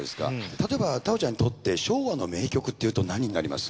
例えば太鳳ちゃんにとって昭和の名曲っていうと何になります？